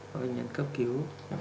và bệnh nhân cấp cứu